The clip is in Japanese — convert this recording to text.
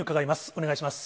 お願いします。